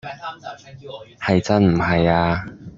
係真唔係呀